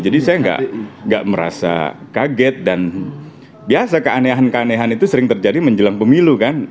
jadi saya enggak merasa kaget dan biasa keanehan keanehan itu sering terjadi menjelang pemilu kan